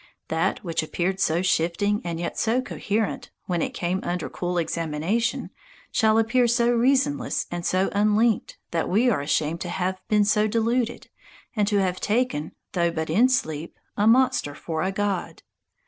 That which appeared so shifting and yet so coherent, when it came under cool examination, shall appear so reasonless and so unlinked, that we are ashamed to have been so deluded, and to have taken, though but in sleep, a monster for a god.